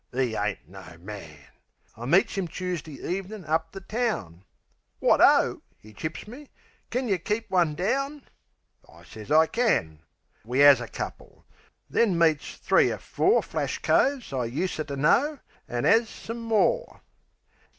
'E ain't no man!) I meets 'im Choosdee ev'nin' up the town. "Wot O," 'e chips me. "Kin yeh keep one down?" I sez I can. We 'as a couple; then meets three er four Flash coves I useter know, an' 'as some more.